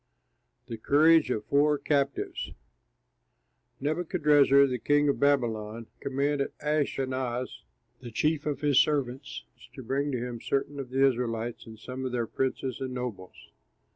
THE COURAGE OF FOUR CAPTIVES Nebuchadrezzar, the king of Babylon, commanded Ashpenaz, the chief of his servants, to bring to him certain of the Israelites and some of their princes and nobles.